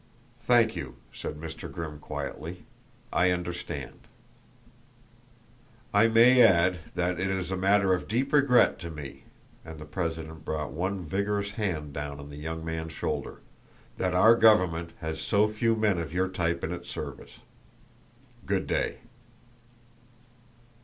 "Thank you," said Mr. Grimm quietly. "I understand." "I may add that it is a matter of deep regret to me," and the president brought one vigorous hand down on the young man's shoulder, "that our government has so few men of your type in its service. Good day."